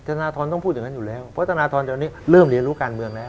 ธนทรต้องพูดอย่างนั้นอยู่แล้วเพราะธนทรตอนนี้เริ่มเรียนรู้การเมืองแล้ว